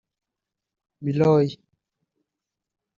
Miloy